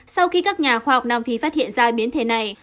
sau khi các nhà khoa học nam phi phát hiện ra biến thể này